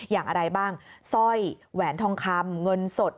อย่างอะไรบ้างสร้อยแหวนทองคำเงินสด